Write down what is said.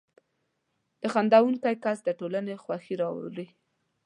• خندېدونکی کس د ټولنې خوښي راوړي.